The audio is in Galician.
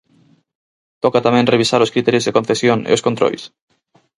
Toca tamén revisar os criterios de concesión e os controis?